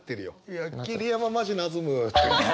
いや「桐山マジ泥む」って。